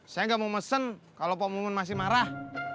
saya gak mau mesen kalau pak momon masih marah